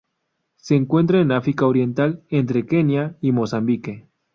Se encuentra en África Oriental entre Kenia y Mozambique.